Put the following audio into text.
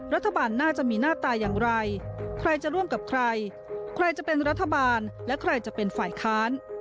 รัฐบาลน่าจะมีหน้าตาอย่างไรใครจะร่วมกับใครใครจะเป็นรัฐบาลและใครจะเป็นฝ่ายค้าน